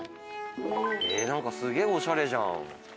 何かすげえおしゃれじゃん。